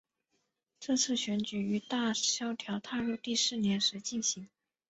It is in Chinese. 这次选举于大萧条踏入第四年时进行。